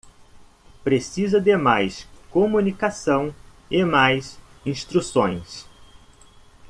Precisa de mais comunicação e mais instruções